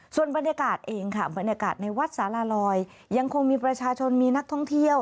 ส่วนบรรยากาศเองค่ะบรรยากาศในวัดสารลอยยังคงมีประชาชนมีนักท่องเที่ยว